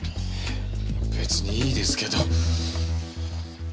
別にいいですけど。